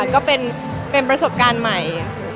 ก็เป็นประสบการณ์ใหม่